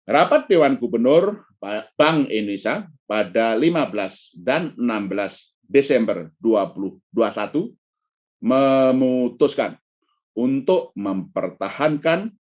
rapat dewan gubernur bank indonesia pada lima belas dan enam belas desember dua ribu dua puluh satu memutuskan untuk mempertahankan